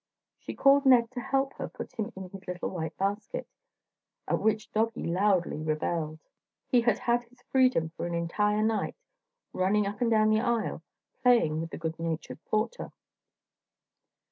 She called Ned to help her put him into his little white basket, at which doggie loudly rebelled. He had had his freedom for an entire night, running up and down the aisle, playing with the good natured porter.